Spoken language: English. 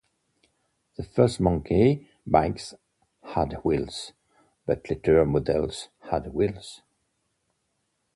The first Monkey bikes had wheels, but later models had wheels.